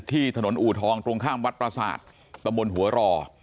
ที่ถนนอูทองตรงข้ามวัดประสาทตะบนหัวรอ